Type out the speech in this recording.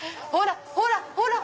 ほらほら！